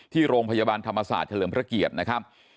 ที่โรงพยาบาลธรรมศาสตร์เฉลิมพระเกียรตินะครับ